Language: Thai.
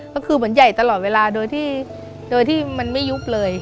ก็คือเหมือนใหญ่ตลอดเวลาโดยที่มันไม่ยุบเลย